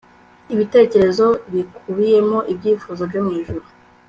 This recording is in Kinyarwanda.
ibitekerezo bikubiyemo ibyifuzo byo mwijuru